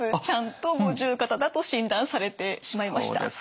ちゃんと五十肩だと診断されてしまいました。